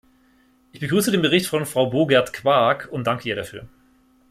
Ich begrüße den Bericht von Frau Boogerd-Quaak und danke ihr dafür.